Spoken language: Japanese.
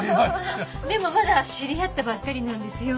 でもまだ知り合ったばっかりなんですよ。